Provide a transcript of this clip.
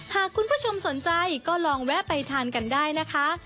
หากคุณผู้ชมสนใจก็ลองแวะไปทานกันได้นะคะ